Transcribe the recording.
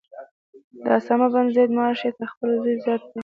د اسامه بن زید معاش یې تر خپل زوی زیات وټاکه.